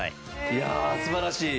いや素晴らしい。